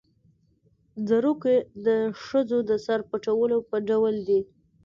ځړوکی د ښځو د سر پټولو یو ډول دی